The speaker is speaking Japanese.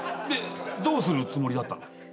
でどうするつもりだったの？